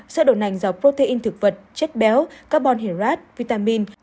sữa đậu nành do protein thực vật chất béo carbon herat vitamin